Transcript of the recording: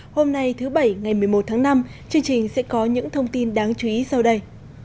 hôm nay thứ bảy ngày một mươi một tháng năm chương trình sẽ có những thông tin đáng chú ý sau đây